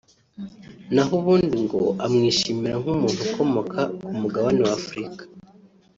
naho ubundi ngo amwishimira nk’umuntu ukomoka ku mugabane wa Afurika